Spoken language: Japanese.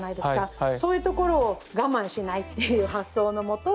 そういうところを我慢しないっていう発想のもと